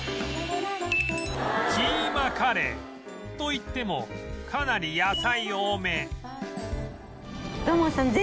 キーマカレーといってもかなり野菜多め